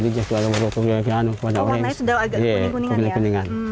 ada kualitas kakao yang sudah agak berwarna kuning kuningan